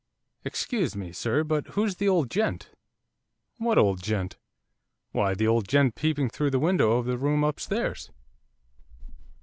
'Excuse me, sir, but who's the old gent?' 'What old gent?' 'Why the old gent peeping through the window of the room upstairs?